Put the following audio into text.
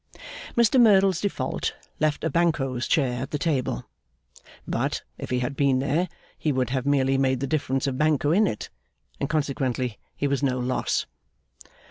Mr Merdle's default left a Banquo's chair at the table; but, if he had been there, he would have merely made the difference of Banquo in it, and consequently he was no loss.